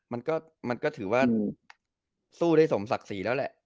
มันก็ถือว่าสู้ได้สมศักดิ์ศรีแล้วแหละ